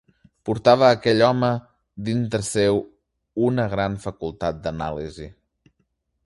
Portava aquell home dintre seu una gran facultat d'anàlisi